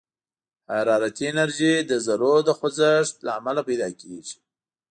حرارتي انرژي د ذرّو د خوځښت له امله پيدا کېږي.